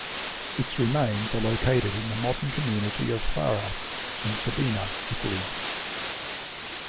Its remains are located in the modern community of Fara in Sabina, Italy.